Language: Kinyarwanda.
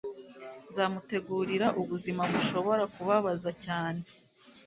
nzamutegurira ubuzima bushobora kubabaza cyane